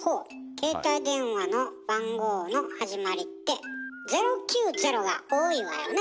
携帯電話の番号の始まりって「０９０」が多いわよね。